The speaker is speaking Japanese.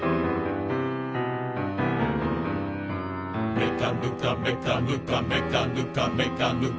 「めかぬかめかぬかめかぬかめかぬか」